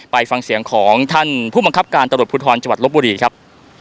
ไปฟังเสียงของท่านผู้บังคับการตำรวจภูทรจังหวัดลบบุรีครับ